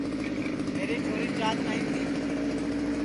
میری چھوری چاک نائی تی